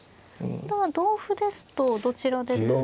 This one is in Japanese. これは同歩ですとどちらで。